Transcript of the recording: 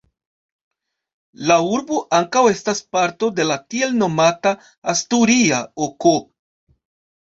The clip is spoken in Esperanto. La urbo ankaŭ estas parto de la tiel nomata "Asturia ok".